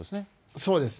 そうですね。